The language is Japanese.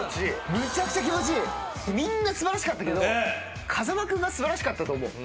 みんな素晴らしかったけど風間君が素晴らしかったと思う。